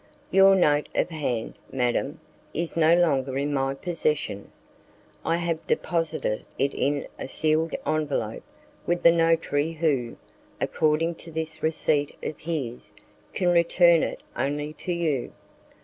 "Your note of hand, madam, is no longer in my possession. I have deposited it in a sealed envelope with the notary who, according to this receipt of his, can return it only to you."